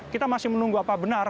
kita masih menunggu apa benar